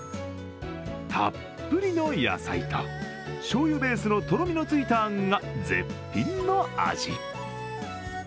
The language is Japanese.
たっぷりの野菜としょうゆベースのとろみのついたあんが絶品の味。